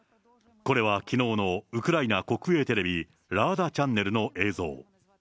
これはきのうのウクライナ国営テレビ、ラーダチャンネルの映像。